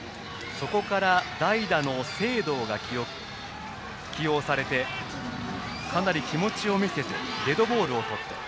そこから代打の清藤が起用されてかなり気持ちを見せてデッドボールをとって。